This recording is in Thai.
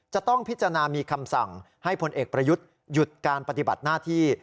จะต้องพิจารณามีคำสั่งให้พลเอกประยุทธ์หยุดการปฏิบัติหน้าที่